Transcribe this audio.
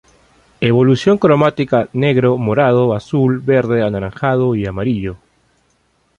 Evolución cromática: negro, morado, azul, verde, anaranjado y amarillo.